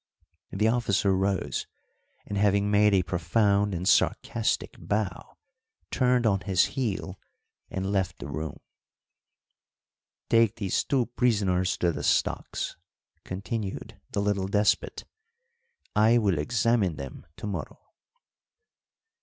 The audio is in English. The officer rose, and, having made a profound and sarcastic bow, turned on his heel and left the room. "Take these two prisoners to the stocks," continued the little despot. "I will examine them to morrow."